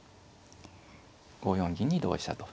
５四銀に同飛車と。